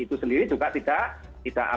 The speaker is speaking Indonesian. itu sendiri juga tidak